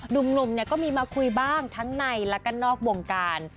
หนุ่มเนี่ยก็มีมาคุยบ้างทั้งในแล้วก็นอกวงการ